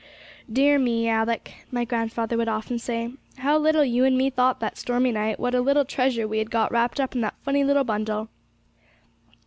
'Dear me, Alick,' my grandfather would often say, 'how little you and me thought that stormy night what a little treasure we had got wrapped up in that funny little bundle!'